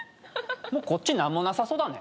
もうこっち何もなさそうだね。